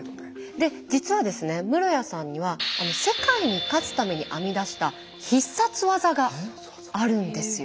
で実はですね室屋さんには世界に勝つために編み出した必殺技があるんですよ。